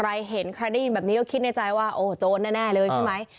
ใครเห็นใครได้ยินแบบนี้ก็คิดในใจว่าโอ้โจรแน่เลยใช่ไหม